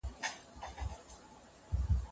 دوی د اوبو نل جوړ کړ.